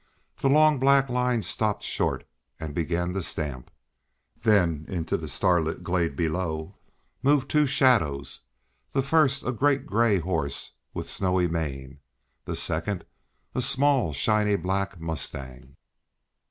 The long black line stopped short and began to stamp. Then into the starlit glade below moved two shadows, the first a great gray horse with snowy mane; the second, a small, shiny, black mustang.